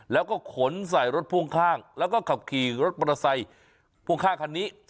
แล้วก็ขนใส่รถพ่วงข้างแล้วก็ขับขี่รถมอเตอร์ไซค์พ่วงข้างคันนี้